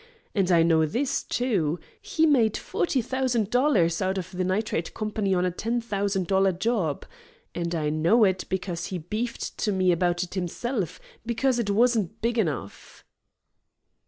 And I know this, too: he made forty thousand dollars out of the Nitrate Company on a ten thousand dollar job. And I know it, because he beefed to me about it himself, because it wasn't big enough."